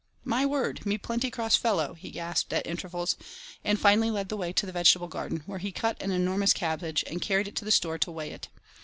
"My word, me plenty cross fellow," he gasped at intervals and finally led the way to the vegetable garden, where he cut an enormous cabbage and carried it to the store to weigh it.